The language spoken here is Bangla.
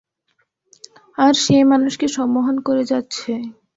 আর সে মানুষকে সম্মোহন করে যাচ্ছে!